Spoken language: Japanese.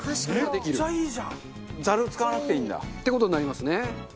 ザル使わなくていいんだ。って事になりますね。